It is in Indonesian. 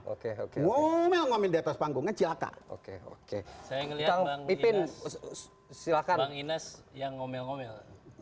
oke oke ngomel ngomel di atas panggungnya silakan oke oke silakan yang ngomel ngomel